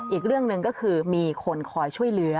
อีกเรื่องหนึ่งก็คือมีคนคอยช่วยเหลือ